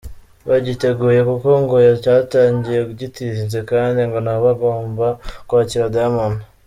bagiteguye kuko ngo cyatangiye gitinze kandi ngo nabagomba kwakira Diamond.